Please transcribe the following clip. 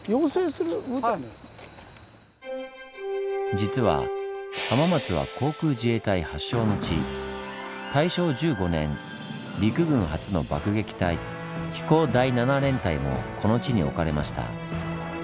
実は浜松は大正１５年陸軍初の爆撃隊飛行第七連隊もこの地に置かれました。